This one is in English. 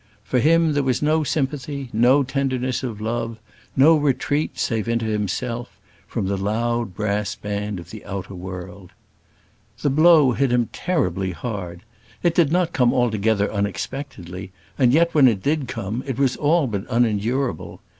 For him there was no sympathy; no tenderness of love; no retreat, save into himself, from the loud brass band of the outer world. The blow hit him terribly hard. It did not come altogether unexpectedly, and yet, when it did come, it was all but unendurable.